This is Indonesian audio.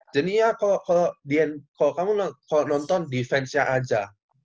jadi ya kalau kamu nonton defense nya aja